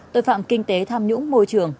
tội phạm kinh tế tham nhũng môi trường